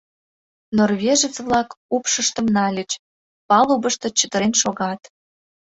Норвежец-влак упшыштым нальыч, палубышто чытырен шогат.